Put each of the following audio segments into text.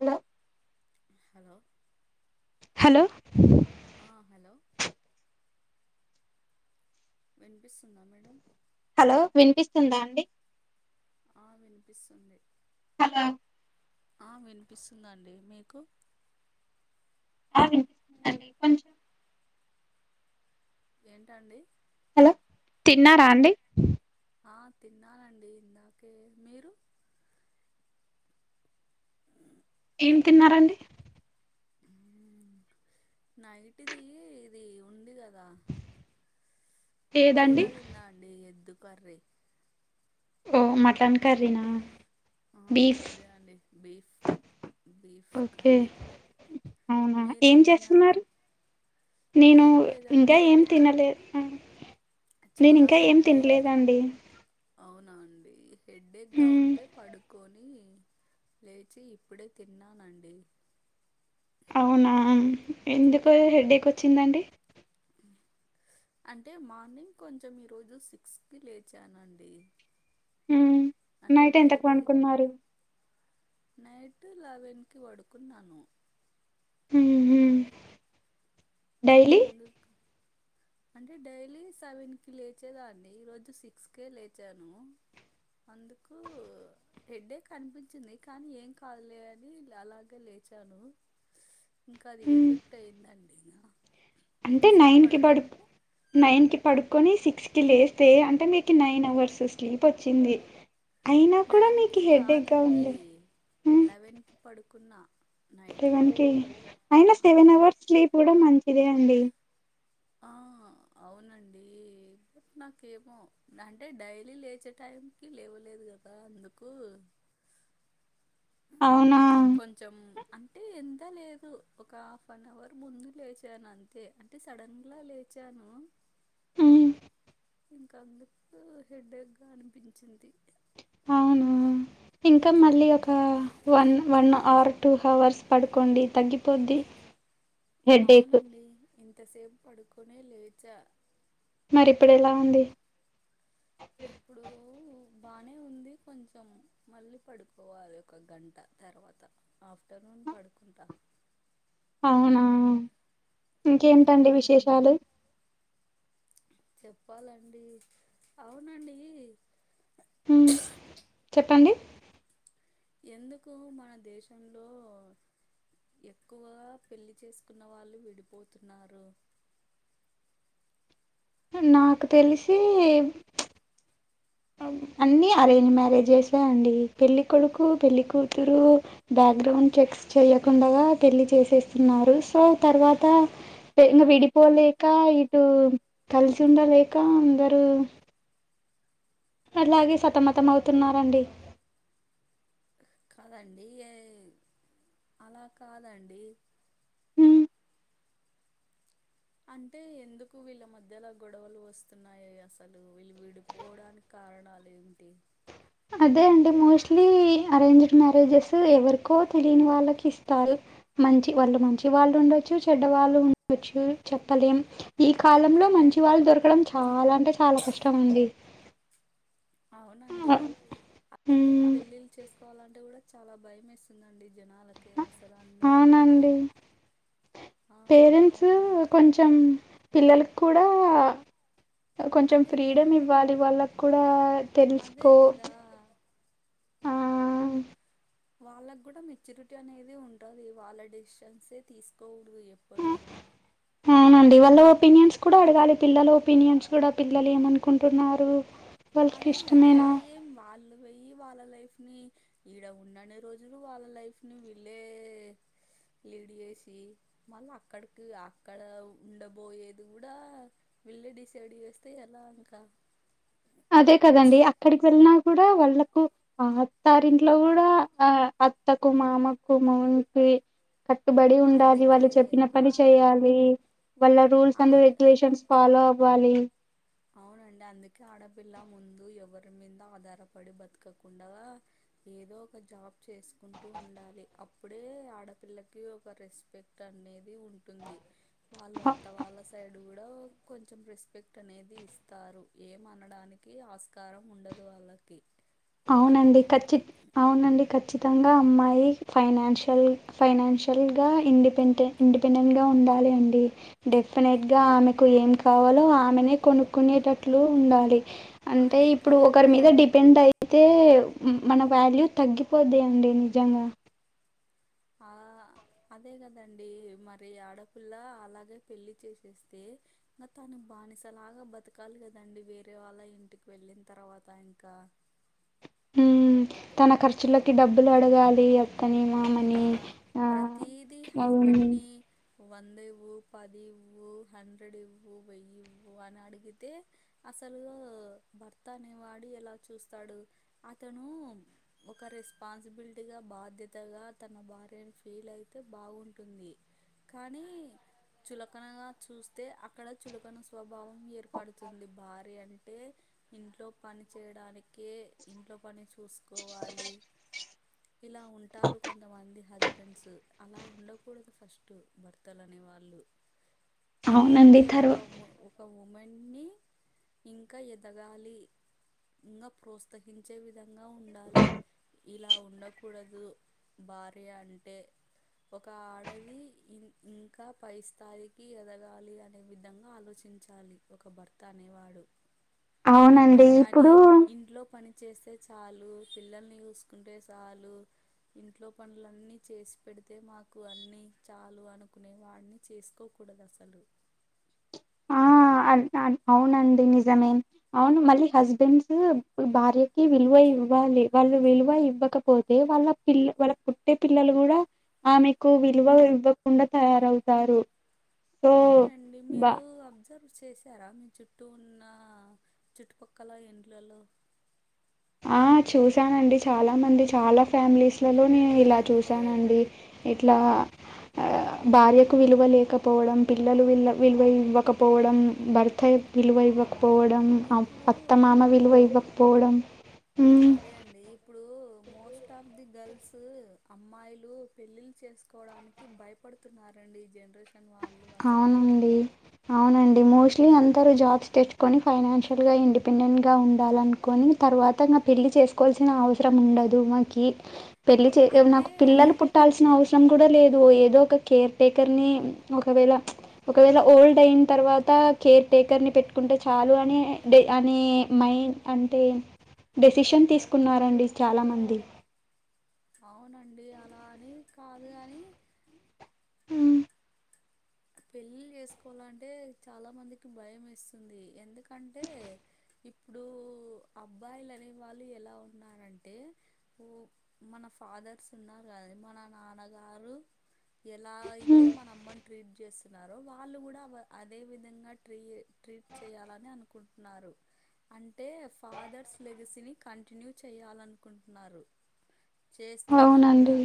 Hello hello hello ఆ hello వినిపిస్తుందా madam hello వినిపిస్తుందా అండి ఆ వినిపిస్తుంది హలో ఆ వినిపిస్తుందండి మీకు అ వినిపిస్తుందండి కొంచం ఏంటండి హలో తిన్నారా అండి ఆ తిన్నానండి ఇందాకే మీరు అ ఏం తిన్నారండి నైట్ ది ఇది ఉంది కదా కూర ఏదండి తిన్నా అండి ఎద్దు కర్రీ ఓ మటన్ కర్రీనా ఆ బీఫ్ అదే అండి బీఫ్ బీఫ్ ఓకే కర్రీ అవునా ఏం మీరేం తిన్నారు చేస్తున్నారు నేను ఏం ఇంకా లేదండి ఏం తినలేదు నేను చాలా ఇంకా ఏం హెడ్డే తినలేదండి అవునా అండి హెడేక్ గా మ్మ్ ఉంటే పడుకొని డీ లేచి ఇప్పుడే తిన్నానండి అవునా ఎందుకు హెడేక్ వచ్చిందండి ఉ అంటే మార్నింగ్ కొంచెం ఈరోజు సిక్స్ కి లేచానండి మ్మ్ అంటే నైట్ ఎంతకు డైలీ పనుకున్నారు నైట్ లెవెన్ కి వడుకున్నాను ఊహు అందుకు అంటే డైలీ సెవెన్ కి లేచేదాన్ని ఈ రోజు సిక్స్ కేే లేచాను అందుకు హెడేక్ అనిపించింది కానీ ఏం కాదులే అని అలాగే లేచాను. స్ ఇంకా అది మ్మ్ ఎఫెక్ట్ అయిందండి నా అంటే నైన్కి పడు నైన్కి పడుకొని సిక్స్ కి లేస్తే అంటే మీకు నైన్ అవర్స్ స్లీప్ వొచ్చింది. నైన్కి కాదండి ఉంది లెవెన్కి పడుకున్నా నైట్ సెవన్కి అయినా ఆ సెవెన్ అవర్స్ స్లీప్ కూడా మంచిదే అండి. ఆ అవునండి నాకేమో అంటే డైలీ లేచే టైమ్ కి లేవలేదు కదా అందుకు అవునా కొంచెం అంటే ఎంత లేదు ఒక హాఫ్ అన్ అవర్ ముందు లేచాను అన్ తే అంటే సడన్గా లేచాను హ్మ్. ఇంకా అందుకు హెడేక్గా అనిపించింది అవును ఇంకా మళ్ళీ ఒక అవునండి one one hour two hours పడుకోండి తగ్గిపోద్ది హెడేక్ అవునండి ఇంతసేపు పడుకునే లేచా మరి ఇప్పుడు ఎలా అండి ఆ ఇప్పుడు బానే ఉంది కొంచం మళ్ళీ పడుకోవాలి ఒక గంట తర్వాత. ఆఫ్టర్నూన్ పడుకుంటా అవునా ఇంకేంటండి అవునండి విశేషాలు చెప్పాలండి అవునండి ఉ చెప్పండి ఎందుకు మన దేశంలో ఎక్కువగా పెళ్లి చేసుకున్న వాళ్ళు విడిపోతున్నారు. నాకు తెలిసి కే అన్నీ అరేంజ్ మ్యారేజెసే అండి పెళ్ళికొడుకు పెళ్ళికూతురు బ్యాక్గ్రౌండ్ చెక్స్ చెయకుండాగా పెళ్లి చేసేస్తున్నారు సో తర్వాత ఇంగా విడిపోలేక ఇటు కలిసి ఉండలేక అందరూ అట్లాగే సతమతం అవుతున్నారండి కాదండి యే అలా కాదండి ఉమ్ అంటే ఎందుకు వీళ్ళ మధ్యలో గొడవలు వస్తున్నాయి అసలు వీళ్ళు విడిపోవడానికి కారణాలు ఏమిటి అదే అండి మోస్ట్లీ అరేంజ్డ్ మ్యారేజెస్ ఎవరికో తెలియని వాళ్ళకి ఇస్తారు. మంచి వాళ్ళు మంచి వాళ్ళు ఉండొచ్చు చెడ్డవాళ్ళు ఉండొచ్చు చెప్పలేం. ఈ కాలంలో మంచి కాదం వాళ్ళు దొరకడం చాలా అంటే చాలా కష్టం అండి. అవునండి అసలు ఉమ్ పెళ్లిళ్ళు చేసుకోవాలంటే కూడా చాలా భయం వేస్తుందండి జనాల కే అసలు అందరికి ఆ పేరెంట్సు అవును కొంచెం పిల్లలలకు కూడా కొంచెం అదే కదా ఫ్రీడమ్ ఇవ్వాలి వాళ్ళకు కూడా అదే తెలుసుకో కదా ఆ వాళ్ళకు కూడా మెచ్యూరిటీ అనేది ఉంటాది, వాళ్ళ డిసిషన్సే తీసుకోరు ఎప్పుడు. అవునండి వాళ్ళ ఒపీనియన్స్ కూడా అడగాలి పిల్లల ఒపీనియన్స్ కూడా పిల్లలు ఏమనుకుంటున్నారు. వాళ్ళకి అదే గదా ఇష్టమేనా ఏం వాళ్ళు వొయ్యి వాళ్ళ లైఫ్ని ఇడ ఉన్నన్ని రోజులు వాళ్ళ లైఫ్ని వీళ్ళే లీడ్ ఎషీ మళ్ళా అక్కడ్కు అక్కడా ఉండబోయేది గూడా వీళ్ళే డిసైడ్ ఎస్తే ఎలా ఇంకా అదే కదండి అక్కడికి వెళ్నా కూడా వళ్ళకు ఆ అత్తారింట్లో గూడా ఆ అత్తకు మామకు మొగన్కి కట్టుబడి ఉండాలి వాళ్ళు అందుకే చెప్పిన ఆ పని చేయాలి వాళ్ళ రూల్స్ అండ్ ఆడ రెగ్యులేషన్స్ ఫాలో అవ్వాలి అవునండి అందుకే ఆడపిల్ల ముందు ఎవరి మీంద ఆధారపడి బత్కకుండా ఏదో ఒక జాబ్ చేస్కుంటూ ఉండాలి అప్పుడే ఆడపిల్లకి ఒక రెస్పెక్ట్ టన్ అనేది ఉంటుంది. వాళ్ళు అత్త వాళ్ళ సైడ్ గూడా కొంచెం రెస్పెక్ట్ అనేది ది ఇస్తారు ఏమనడానికి ఆస్కారం ఉండదు అళ్ళకి అవునండి ఖచ్చిత్ అవునండి ఖచ్చితంగా అమ్మాయి ఫైనాన్షియల్ ఫైనాన్షియల్ గా ఇండిపెంటె ఇండిపెండెంట్గా ఉండాలి అండి డెఫినెట్గా ఆమెకు ఏం కావాలో కు ఆమెనే అ- కొనుకునేటట్లు ఉండాలి అంటే అదే ఇప్పుడు ఒకరి కదండి మీద డిప్ పెండ్ అయితే మన వాల్యూ తగ్గిపొద్ది అండి నిజంగా ఆ అదే కదండీ మరి ఆడపిల్ల అలాగే పెళ్లి చేసేస్తే ఇంగా తను బానిసలాగా బతకాలి కదండి వేరే వాళ్ళ ఇంటికి వెళ్ళిన్ తర్వాత ఇంకా ఉమ్ తన ఖర్చులకి డబ్బులు అడగాలీ ఇంకా ప్రతిది అవును హస్బెంన్నీ వంద ఇవ్వు పది ఇవ్వు హండ్రెడ్ ఇవ్వు వెయ్యి ఇవ్వు అని అడిగితే అసలూ భర్త అనేవాడు ఎలా చూస్తాడు అతనూ ఒక రెస్పాన్సిబుల్టిగా బాధ్యత్ తగా తన భార్యని ఫీల్ అయితే బావుంటుంది కానీ చులకనగా చూస్తే అక్కడ చులకన స్వభావం ఏర్పడుతుంది భార్య అంటే ఇంట్లో పని చేయడానికే ఇంట్లో పని చూస్కోవాలి ఇలా ఉన్ టారు కొంతమంది హస్బెంన్సు అలా ఉండకూడదు ఫస్టు భర్తలు అనేవాళ్లు ఎలా అవునండి అంటే తర్వా ఒక ము ఉ ఒక ఉమెన్ న్నీ ఇంకా ఎదగాలి ఇంగా ప్రోత్సహించే విధంగా ఉండాలి ఇలా ఉండకూడదు భార్య అంటే ఒక ఆడది ఇన్ ఇంకా పైస్థాయికి ఎదగాలి అనే విధంగా ఆలోచించు దాలి ఒక భర్త అనేవాడు, అవునండి అంతేగాని ఇప్పుడు ఇంట్లో పని చేస్తే చాలు పిల్లల్ని ఉస్కుంటే సాలూ ఇంట్లో పనులన్నీ చేసి పెడ్తే మాకు అన్ని చాలు అనుకునే వన్ని చేస్కోకూడదు అసలు ఆ అ‌ అన్ అవునండి నిజమే అవును మళ్ళీ హస్బెంన్సూ భార్యకి విల్వ ఇవ్వాలి వాళ్ళు విల్వ ఇవ్వకపోతే వాళ్ళ పిల్లు వాళ్ళ పుట్టే పిల్లలు గూడా ఆమెకు విల్వ ఇవ్వకుండా తయారవ్తారు అవునండి మీరూ అబ్జర్వ్ చేస్ సారా మేము చుట్టూ ఉన్నా చుట్పక్కల ఇండ్లలో ఆ చూసానండి చాలా మంది చాలా ఫ్యామిలీస్లలో నే ఇలా చూసానండి ఏట్లా ఆ భార్యకు విలువ లేకపోవడం పిల్లలు వి విలువ ఇవ్వకపోవడం భర్త విలువ ఇవ్వకపోవడం ఇప్పుడు అత్తమామ విలువ ఇవ్వకపోవడం ఉమ్, అదే అండి ఇప్పు డు మోస్ట్ ఆఫ్ ది గర్ల్స్ అమ్మాయిలు పెళ్ళిళ్ళ చేసుకోవడానికి భయప పడుతున్నారండి ఈ జనరేషన్ వాళ్ళు అసలు అవునండి అవునండి మోస్ట్లీ అందరుూ జాబ్స్ తెచ్చుకొని ఫైనాన్షియల్గాండిపెండెంట్ గా ఉండాలనినుకు కొని తర్వాత పెళ్ళి చేసుకోవాల్సిన అవసరం ఉండదు మాకి ఓ పెళ్ళి చేసే అంటే నాకు పిల్లలు పుట్టాల్సిన అవసరం కూడా లేదు ఏదో ఒక కేర్ టేకర్ ని ఒకవేళ ఒకవేళ ఓల్డ్ అయిన తర్వాత కేర్ టేకర్ని పెట్టుకుంటే చాలు అని డే అని మైం అంటే డెసిషన్ తీసుకున్నరండి చాలామంది అవునండి అలా అని కాదు గని హ్మ్ పెళ్ళిళ్ళ చేసుకోవాలంటే చాలా మందికి భయం ఎస్తుంది ఎందుకంటే ఇప్పుడు అబ్బాయిలు అనే వాళ్ళు ఎలా ఉన్నారంటే ఉ మన ఫాదర్స్ ఉన్నాగాదు మన నాన్నగారు ఎలా అయితే హ్మ్. మన అమ్మంట ట్రీట్ చేస్తున్నారో వాళ్ళు కూడా అదే విధంగా ట్రీ ట్రీట్ చేయాలని అనుకుంటున్నారు అంటే ఫాదర్స్ లెగసీని కంటిన్యూ చేయాలనుకుంటున్నారు చేస్తున్నారు కూడా అవునండి.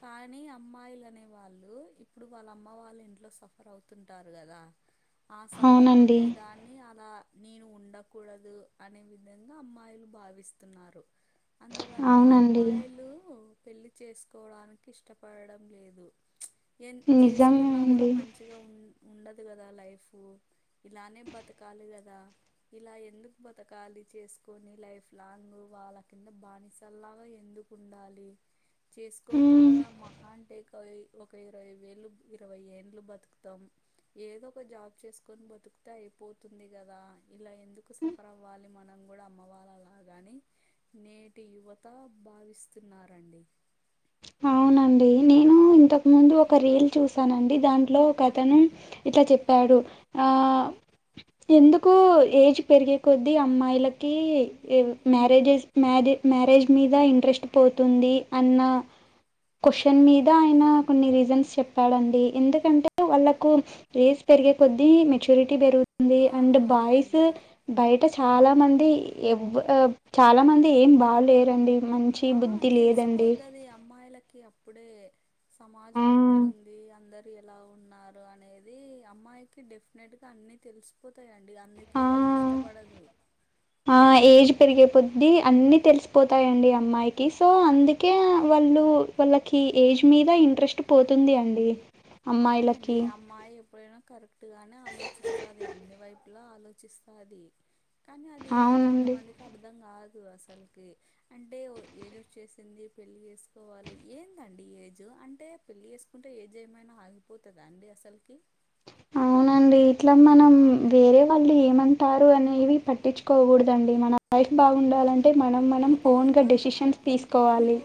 కానీ అమ్మాయిలు అనే వాళ్ళు ఇప్పుడు వాళ్ళ అమ్మ వాళ్ళ ఇంట్లో సఫర్ అవుతుంటారు కదా ఆ సఫర్ అవునండి. అవ్వేదని అని అలా నేను ఉండకూడదు అనే విధంగా అమ్మాయిలు భావిస్తున్నారు అందువల్ల అవునండి. అమ్మాయిలు పెళ్లి చేసుకోవడానికి ఇష్టపడడం లేదు ఎన్ నిజమే చేసుకున్నా గూడ అండి. మంచిగా ఉ ఉండదు గదా లైఫ్ ఇలానే బతకాలి గదా ఇలా ఎందుకు బతకాలి చేసుకొని లైఫ్ లాంగ్ వాళ్ళ కింద బానిసలాగా ఎందుకు కుండాలీ చేసుకోకుండా హ్మ్ మహా అంటే ఒక ఇరవై వేలు ఇరవై ఏ నువ్ బతుకుతావ్ ఏదో ఒక జాబ్ చేసుకొని బతుకితే అయిపోతుంది గదా ఇలా ఎందుకు స సఫర్ అవ్వాలి మనం గుడా అమ్మవళ్ళ లాగానే నేటి యువత భావిస్తున్నారండి అవునండి నేను ఇంతకు ముందు ఒక రీల్ చూసానండి దాంట్లో ఒక అతను ఇట్లా చెప్పాడు ఆ ఎందుకు ఏజ్ పెరిగే కొద్దీ అమ్మాయిలకి ఈవ్ మ్యారేజెస్ మ్యారే మ్యారేజ్ మీద ఇంట్రెస్ట్ పోతుంది అన్న క్వశ్చన్ మీద ఆయన కొన్ని రీజన్స్ చెప్పాలాండి ఎందుకంటే వాళ్ళకు ఏజ్ పెరిగే కొద్ద్దీ మెచ్యూరిటీ పెరుగుతుంది ఆ అండ్ అదే బాయ్స్ అండి బయట చాలా మంది ఎ చాలా మంది ఏం బాగులేరండి మంచి బుద్ధి లేదండి దే అమ్మాయిలకిప్పు ఇప్పుడే ఆ సమాజం ఎట్లుంది అందరు ఎలా ఉన్నారు అనేది అమ్మాయికి డెఫ నేట్టుగా అన్ని తెలిసిపోతాయిండి ఆ అందుకే ఇష్టపడదు ఆ ఏజ్ పెరిగిపోది అన్నీ తెలిసిపోతాయండి అమ్మాయికి సో అందుకే వాళ్ళు వాళ్ళకి ఏజ్ మీద ఇంట్రెస్ట్ పోతుంది అండి అవునండి అమ్మాయిలకి అమ్మాయి ఎప్పుడైనా కరు అన్నట్టుగానే ఆలోచిస్తాది అన్ని వైపులా ఆలోచిస్తాది కానీ అది అవునండి కొంతమందికి అర్థం కాదు అసలకి అంటే ఏజ్ వచ్చేసింది పెళ్లి చేసుకోవాలి ఏందండి ఏజ్ అంటే పెళ్ళి చేేసుకుంటే ఏదిే ఏమైనా ఆగిపోతుందా అండి అసలకి అండ్ ఇట్లా మనం వేరే వాళ్ళు ఏమంటారు అనేవి పట్టించుకోకూడదండి మన లైఫ్ బాగుండాలంటే మనం మనం అదే ఓన్గా కదా డెసిషన్స్ ఇప్పుడు తీసుకోవాలి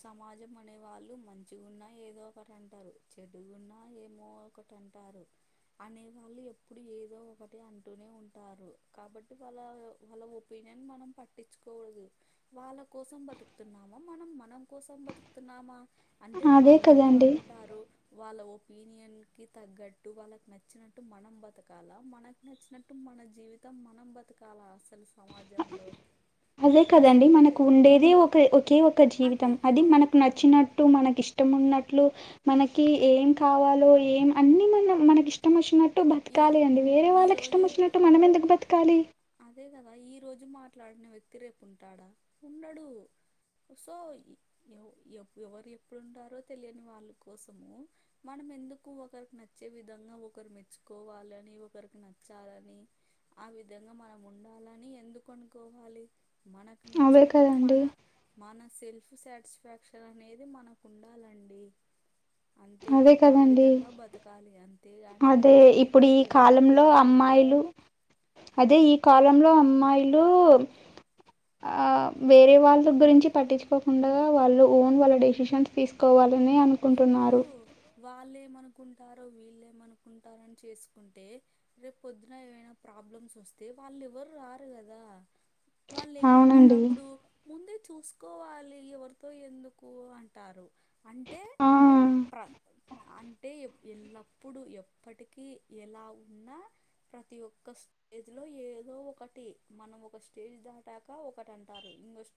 సమాజం అనే వాళ్ళు మంచిగున్నా ఏదో ఒకటి అంటారు చెడుగున్నా ఏమో ఒకట టారు అనే వాళ్ళు ఎప్పుడు ఏదో ఒకటి అంటూనే ఉంటారు కాబట్టి వాళ్ళ వాళ్ళ ఈవెన్ మనం పట్ పట్టించుకోడదు వాళ్ళ కోసం బతుకుతున్నామా మనం మనం కోసం బతుకుతున్నామా అంటే అదే వాళ్ళు ఏదో కదండి అంటారు వాళ్ళ ఒపీనియన్కి తగ్గట్టు వాళ్ళకి నచ్చినట్టు మనం బతకాల మనక నచ్చినట్టు మన జీవితం మనం బతకాల అసలు సమాజంలో అదే కదండి అసలు మనకు ఉండేదే ఒక ఒకే ఒక జీవితం అదే అది కదా మనకు నచ్చిన మనకి ఇష్టం ఉన్నట్లు మనకి ఏం కావాలో ఏం అన్ని మన మనకి ఇష్టం వచ్చినట్టు ఈ బతకాలి అండి వేరే వాళ్ళకి ఇష్టం ఈరోజు వచ్చినట్టు మనం ఎందుకు బతకాలి అదే కదా ఈ రోజు మాట్లాడిన వ్యక్తి రేపు ఉంటాడా ఉండడు సో ఎవ ఎవ ఎవరు ఎప్పుడుంటారో తెలియని వాళ్ళ కోసము మనం ఎందుకు ఒకరికి నచ్చే విధంగా ఒకరు మెచ్చుకోవాలని ఒకరికి నచ్చాలని ఆవి విధంగా మనం ఉండాలని ఎందుకు అనుకోవాలి మనకు అవే నచ్చినట్టు కదండి మన మన సెల్ఫ్ సాటిస్ఫాక్షన్ అనేది మనకు ఉండాలండి అంతే అదే ఆ కదండి విధంగా బతకాలి అం అదే ఇప్పుడు ఈ కాలంలో అమ్మాయిలు అదే ఈ కాలంలో అమ్మాయిలు వేరే వాళ్ళ గురించి పట్టించుకోకుండా వాళ్ళు ఓన్ వాళ్ళ డెసిషన్స్ తీసుకోవాలని అను ఇప్పుడు వాళ్ళంమనుకుంటారో వీళ్ళేంమనుకుంటారో అని చేసుకుంటే రేపు పొద్దున ఏమైనా ప్రాబ్లమ్స్ వస్తే వాళ్ళు ఎవరు రారు కదా వాళ్లేంమంటారు అవునండి అప్పుడు ముందే చూసుకోవాలి ఎవరితో ఎందుకు అంటారు అంటే ఆ ప్ర అంటే ఎప్పు ఎల్లప్పుడు ఎప్పటికీ ఎలా ఉన్నా ప్రతి ఒక్కస్త ఎదిలో ఏదో ఒకటి మనం ఒక స్టేజ్ దాటాక ఒకటి అంటారు ఇంకొ